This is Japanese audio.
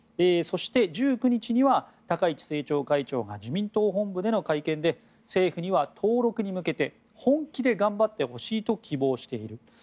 そして、１９日には高市政調会長が自民党本部の会見で政府には登録に向けて本気で頑張ってほしいと希望している。